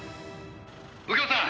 「右京さん！」